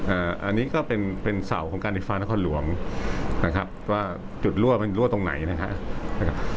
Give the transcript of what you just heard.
อันนี้ก็เป็นเป็นเสาของการไฟฟ้านครหลวงนะครับว่าจุดรั่วมันรั่วตรงไหนนะครับ